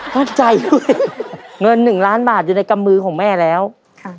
เข้าใจด้วยเงินหนึ่งล้านบาทอยู่ในกำมือของแม่แล้วค่ะ